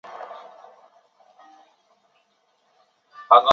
奥斯陆自由论坛创办者是。